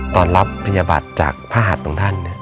ตอนรับพยาบาทจากพระหัสตรงท่าน